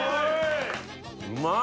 うまい！